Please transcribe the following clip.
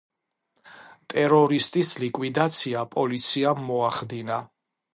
ტერორისტის ლიკვიდაცია პოლიციამ მოახდინა.